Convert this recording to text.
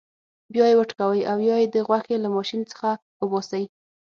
بیا یې وټکوئ او یا یې د غوښې له ماشین څخه وباسئ.